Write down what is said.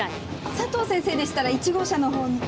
佐藤先生でしたら１号車のほうに。